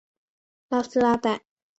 拉斯拉代。